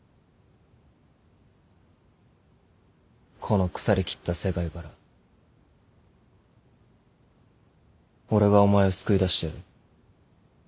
この腐りきった世界から俺がお前を救い出してやる